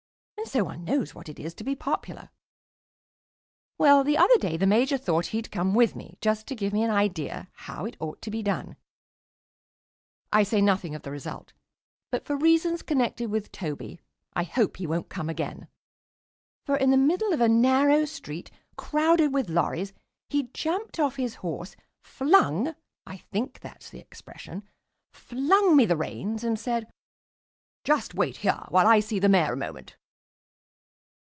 And so one knows what it is to be popular. Well, the other day the Major thought he'd come with me, just to give me an idea how it ought to be done. I say nothing of the result; but for reasons connected with Toby I hope he won't come again. For in the middle of a narrow street crowded with lorries, he jumped off his horse, flung (I think that's the expression) flung me the reins and said, "Just wait here while I see the Mayor a moment."